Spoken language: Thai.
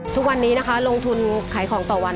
ทุกวันนี้นะคะลงทุนขายของต่อวัน